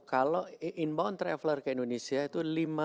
kalau inbound traveler ke indonesia itu lima